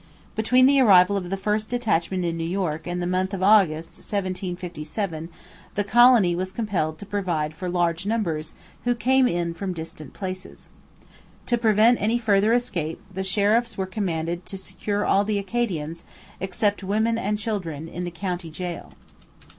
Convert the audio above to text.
Between the arrival of the first detachment in New York and the month of August 1757 the colony was compelled to provide for large numbers who came in from distant places. To prevent any further escape the sheriffs were commanded to secure all the Acadians, except women and children, in the county gaol.